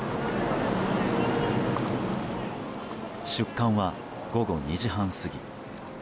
出棺は午後２時半過ぎ。